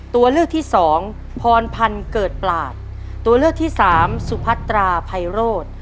ตัวเลือกที่สองพรพันธ์เกิดปลาดตัวเลือกที่สามสุพัตราไพโรธ